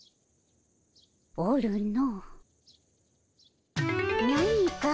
おるの。